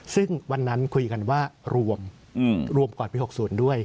ซึ่งวันนั้นคุยกันว่ารวมรวมก่อนปี๖๐ด้วย